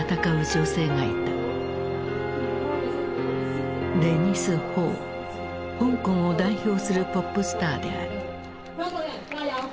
香港を代表するポップスターである。